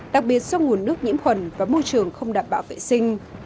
đặc biệt do nguồn nước nhiễm khuẩn và môi trường không đảm bảo vệ sinh